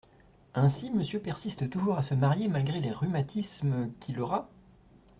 Ainsi, Monsieur persiste toujours à se marier malgré les rhumatismes… qu’il aura ?